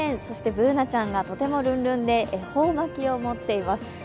そしてＢｏｏｎａちゃんがとてもルンルンで恵方巻きを持っています。